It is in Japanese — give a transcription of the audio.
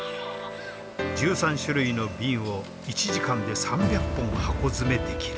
１３種類の瓶を１時間で３００本箱詰めできる。